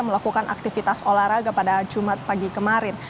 dan diberikan aktivitas olahraga pada jumat pagi kemarin